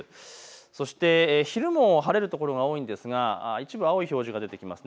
そして昼も晴れる所が多いんですが一部、青い表示が出てきます。